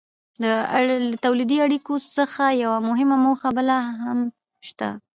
له تولیدي اړیکو څخه یوه مهمه موخه بله هم شته.